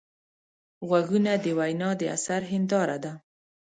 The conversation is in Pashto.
غوږونه د وینا د اثر هنداره ده